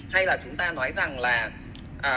hay là chúng ta nói rằng là